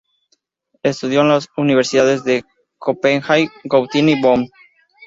Estudió en las universidades de Copenhague, Gotinga y Bonn.